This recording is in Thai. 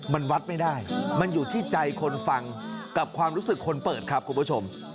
มันวัดไม่ได้มันอยู่ที่ใจคนฟังกับความรู้สึกคนเปิดครับคุณผู้ชม